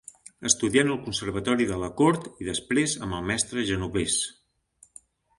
Estudià en el Conservatori de la cort i després amb el mestre Genovés.